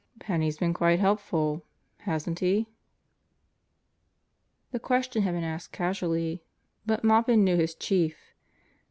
"Penney's been quite helpful, hasn't he?" The question had been asked casually, but Maupin knew his Chief.